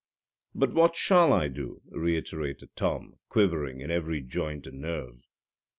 "But what shall I do?" reiterated Tom, quivering in every joint and nerve.